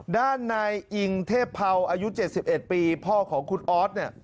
ด้านในอิงเทพเผาอายุ๗๑ปีพ่อของคุณออส